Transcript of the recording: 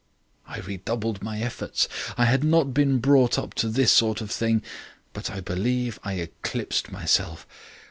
"I redoubled my efforts. I had not been brought up to this sort of thing; but I believe I eclipsed myself.